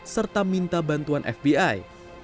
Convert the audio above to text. serta minta bantuan fbi